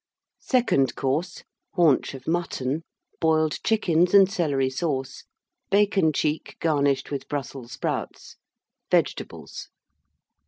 SECOND COURSE. Haunch of Mutton. Boiled Chickens and Celery Sauce. Bacon cheek, garnished with Brussels Sprouts. Vegetables.